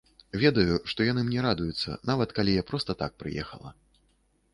Ведаю, што яны мне радуюцца, нават калі я проста так прыехала.